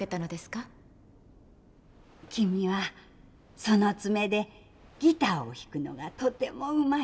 「君はその爪でギターを弾くのがとてもうまい。